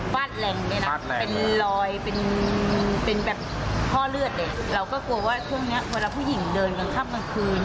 ฟาดแหลงเลยนะป้อเลือดเนี่ยเราก็กลัวว่าเครื่องนี้เมื่อผู้หญิงเดินกันข้ำกลางคืน